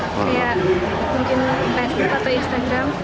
kayak mungkin facebook atau instagram